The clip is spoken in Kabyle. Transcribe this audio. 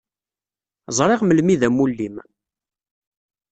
Zṛiɣ melmi i d amulli-im.